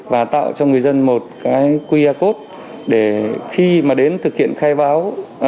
và tạo cho người dân một cái qr code để khi mà đến thực hiện khai báo